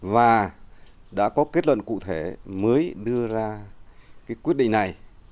và đã có kết luận cụ thể mới đưa ra cái quyết định này